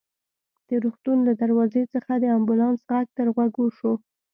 د روغتون له دروازې څخه د امبولانس غږ تر غوږو شو.